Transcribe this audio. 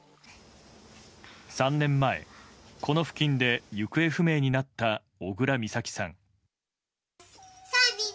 ３年前、この付近で行方不明になった小倉美咲さん。